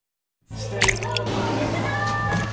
四天王攻略だ！